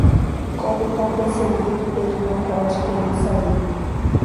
Como o cão perseguido, ele não pode querer sair.